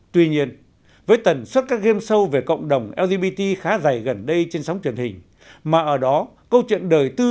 tuy nhiên với tần suất các game show về cộng đồng lgbt khá dày gần đây trên sóng truyền hình mà ở đó câu chuyện đời tư